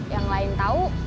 yang lain tahu